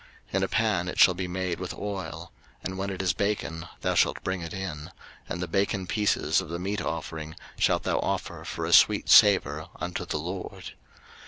03:006:021 In a pan it shall be made with oil; and when it is baken, thou shalt bring it in: and the baken pieces of the meat offering shalt thou offer for a sweet savour unto the LORD.